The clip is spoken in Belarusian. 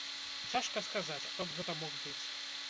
Цяжка сказаць, хто б гэта мог быць.